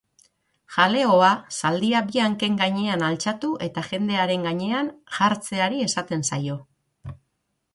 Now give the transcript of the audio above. Jaleoa zaldia bi hanken gainean altxatu eta jendearen gainean jartzeari esaten zaio.